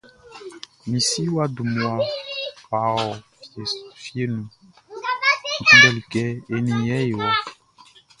Mi si wʼa dun mmua wʼa ɔ fieʼn nun N kunndɛli kɛ e nin i é kɔ́.